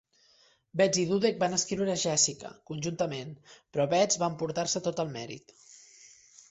Betts i Dudek van escriure "Jessica" conjuntament, però Betts va emportar-se tot el mèrit.